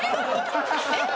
えっ？